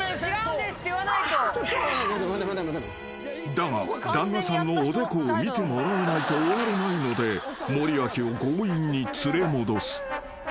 ［だが旦那さんのおでこを見てもらわないと終われないので森脇を強引に連れ戻す］